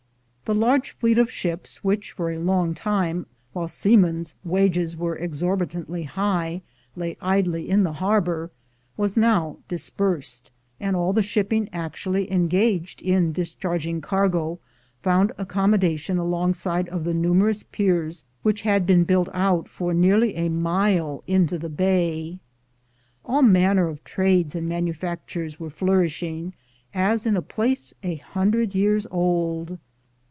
The large fleet of ships which for a long time, while seamen's wages were exorbitantly high, lay idly in the harbor, was now dispersed, and all the shipping actually engaged in discharging cargo found accom modation alongside of the numerous piers which had been built out for nearly a mile into the bay. All manner of trades and manufactures were flourishing as in a place a hundred years old.